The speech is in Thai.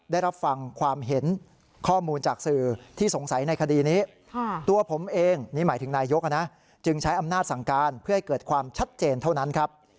นี่หมายถึงนายยกจึงใช้อำนาจสั่งการเพื่อให้เกิดความชัดเจนเท่านั้นครับ